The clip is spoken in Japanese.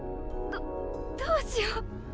どどうしよう！！